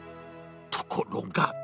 ところが。